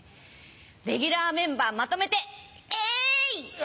レギュラーメンバーまとめてえい！